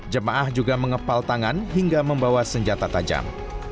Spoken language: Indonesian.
jemaah juga mengepal tangan hingga membawa senjata tajam